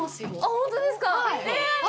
本当ですか？